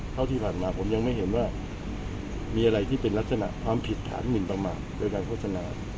เท่าที่ผ่านมาผมยังไม่เห็นว่ามีอะไรที่เป็นลักษณะความผิดฐานหมินประมาทโดยการโฆษณา